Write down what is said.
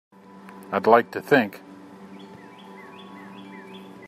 I'd like to think.